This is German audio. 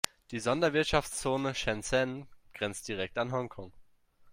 Die Sonderwirtschaftszone Shenzhen grenzt direkt an Hongkong.